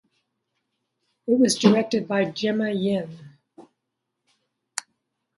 It was directed by Gemma Yin.